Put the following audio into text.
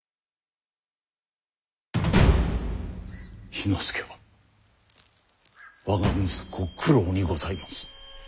氷ノ介は我が息子九郎にございます。